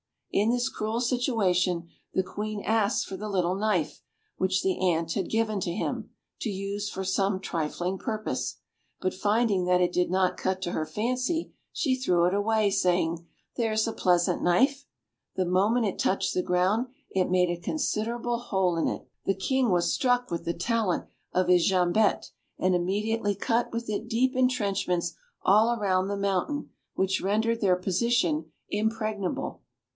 In this cruel situation, the Queen asked for the little knife which the Ant had given to him, to use for some trifling purpose; but finding that it did not cut to her fancy, she threw it away, saying, "There's a pleasant knife!" The moment it touched the ground it made a considerable hole in it. The King was struck with the talent of his jambette, and immediately cut with it deep entrenchments all round the mountain, which rendered their position impregnable.